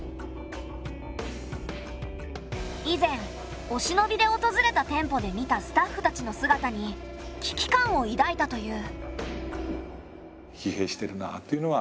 以前おしのびで訪れた店舗で見たスタッフたちの姿に危機感をいだいたという。